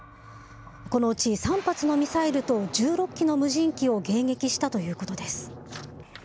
このうち３発のミサイルと１６機の無人機を迎撃したということです。